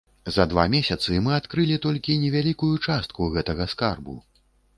За два месяцы мы адкрылі толькі невялікую частку гэтага скарбу.